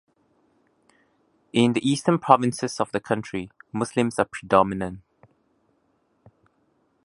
In the eastern provinces of the country Muslims are predominant.